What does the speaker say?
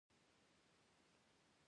هغه د سټار ټریک لیدلو برخه ډیره خوښه کړه